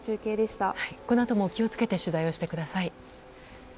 このあとも気を付けて取材をしてください。